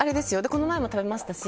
この前も食べましたし。